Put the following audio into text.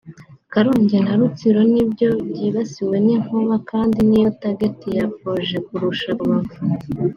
Karongi na Rutsiro nibyo byibasiwe n’inkuba kandi niyo target ya projet kurusha Rubavu